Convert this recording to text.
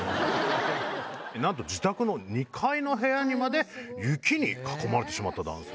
自宅の２階の部屋まで雪に囲まれてしまった男性。